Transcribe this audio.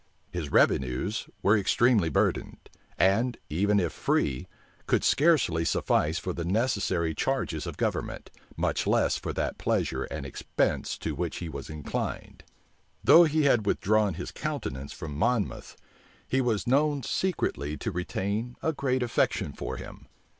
His revenues were extremely burdened; and, even if free, could scarcely suffice for the necessary charges of government, much less for that pleasure and expense to which he was inclined. Though he had withdrawn his countenance from Monmouth, he was known secretly to retain a great affection for him.